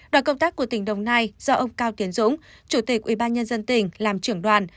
đoàn công tác của tỉnh đồng nai do ông cao tiến dũng chủ tịch ubnd tỉnh làm trưởng đoàn